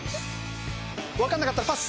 わかんなかったらパス。